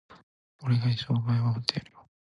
俺がお前を一生守ってやるよ